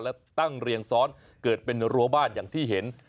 และตั้งเรียงซ้อนเกิดเป็นรั้วบ้านอย่างที่เห็น